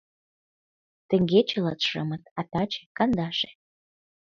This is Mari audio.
Теҥгече — латшымыт, а таче — кандаше